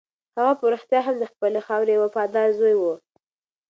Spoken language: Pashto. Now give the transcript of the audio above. هغه په رښتیا هم د خپلې خاورې یو وفادار زوی و.